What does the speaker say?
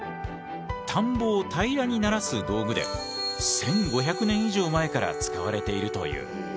田んぼを平らにならす道具で１，５００年以上前から使われているという。